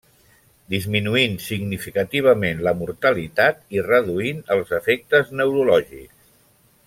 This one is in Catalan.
Disminuint significativament la mortalitat i reduint els efectes neurològics.